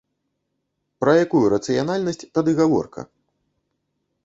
Пра якую рацыянальнасць тады гаворка?